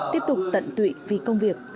tiếp tục tận tụy vì công việc